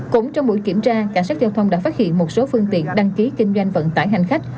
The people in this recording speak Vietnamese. cũng trong buổi kiểm tra cảnh sát giao thông đã phát hiện một số phương tiện đăng ký kinh doanh vận tải hành khách